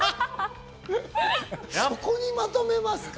そこにまとめますか？